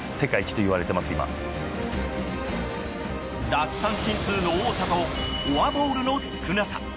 奪三振数の多さとフォアボールの少なさ。